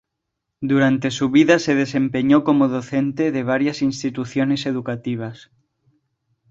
Durante su vida se desempeñó como docente de varias instituciones educativas.